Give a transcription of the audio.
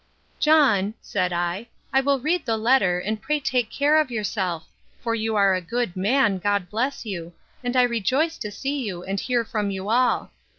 John, said I, I will read the letter, and pray take care of yourself; for you are a good man, God bless you! and I rejoice to see you, and hear from you all.